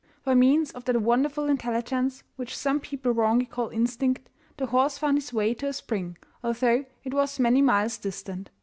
By means of that wonderful intelligence which some people wrongly call instinct, the horse found his way to a spring, although it was many miles distant.